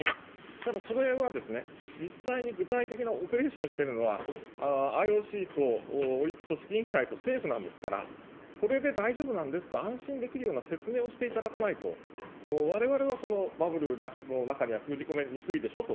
ただ、それは実際に具体的なオペレーションしてるのは、ＩＯＣとオリンピック組織委員会と政府なんですから、これで大丈夫なんですと安心できるような説明をしていただかないと、われわれはそのバブルの中には封じ込めにくいでしょうと。